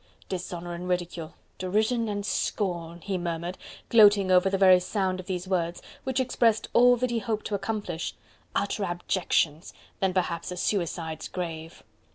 "Dishonour and ridicule! Derision and scorn!" he murmured, gloating over the very sound of these words, which expressed all that he hoped to accomplish, "utter abjections, then perhaps a suicide's grave..."